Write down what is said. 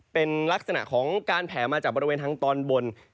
เป็นลักษณะของการแผ่มาจากบริเวณทางตอนบน